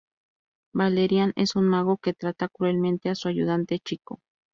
Valerian es un mago que trata cruelmente a su ayudante, Chico.